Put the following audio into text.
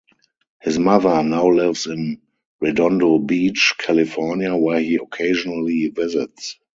His mother now lives in Redondo Beach, California, where he occasionally visits.